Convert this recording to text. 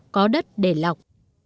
có đất để lọc